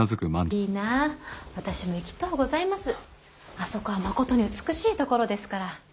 あそこはまことに美しい所ですから。